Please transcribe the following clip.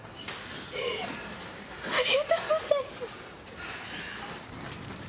ありがとうございます。